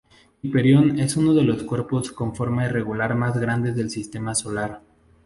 Hiperión es uno de los cuerpos con forma irregular más grandes del sistema solar.